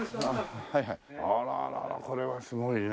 あらららこれはすごいね。